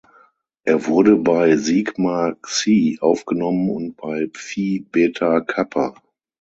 Er wurde bei Sigma Xi aufgenommen und bei Phi Beta Kappa.